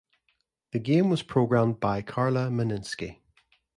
The game was programmed by Carla Meninsky.